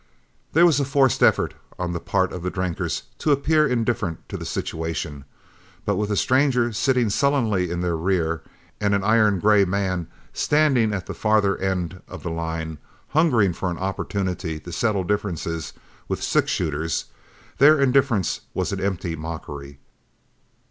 There was a forced effort on the part of the drinkers to appear indifferent to the situation, but with the stranger sitting sullenly in their rear and an iron gray man standing at the farther end of the line, hungering for an opportunity to settle differences with six shooters, their indifference was an empty mockery.